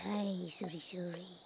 それそれ。